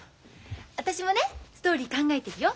私もねストーリー考えてるよ。